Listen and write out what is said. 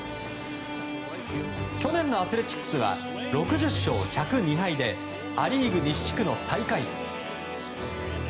去年のアスレチックスは６０勝１０２敗でア・リーグ西地区の最下位。